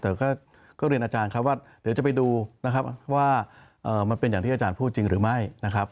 แต่ก็เรียนอาจารย์ครับว่าเดี๋ยวจะไปดูนะครับว่ามันเป็นอย่างที่อาจารย์พูดจริงหรือไม่นะครับ